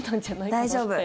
大丈夫。